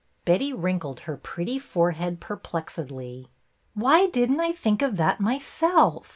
Betty wrinkled her pretty forehead perplexedly. Why did n't I think of that myself